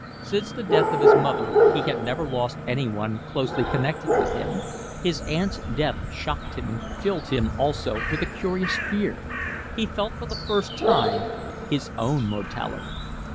Since the death of his mother he had never lost anyone closely connected with him; his aunt's death shocked him and filled him also with a curious fear; he felt for the first time his own mortality.